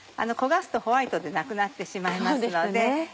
焦がすとホワイトでなくなってしまいますので。